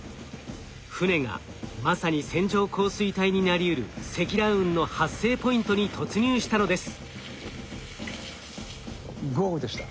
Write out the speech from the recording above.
船がまさに線状降水帯になりうる積乱雲の発生ポイントに突入したのです。